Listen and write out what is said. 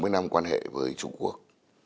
sáu mươi năm quan hệ với trung quốc